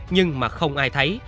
nhưng mà không ai thấy